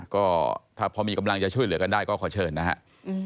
ก็ถ้าพอมีกำลังจะช่วยเหลือกันได้ก็ขอเชิญนะครับ